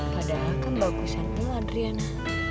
padahal kan bagusan dulu adriana